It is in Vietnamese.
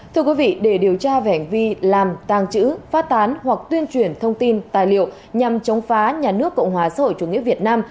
thưa quý vị để điều tra về hành vi làm tàng trữ phát tán hoặc tuyên truyền thông tin tài liệu nhằm chống phá nhà nước cộng hòa xã hội chủ nghĩa việt nam